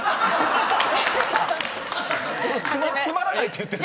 つまつまらないって言ってる。